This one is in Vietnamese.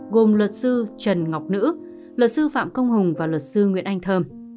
gồm luật sư trần ngọc nữ luật sư phạm công hùng và luật sư nguyễn anh thơm